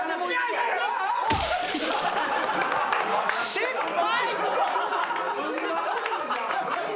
失敗！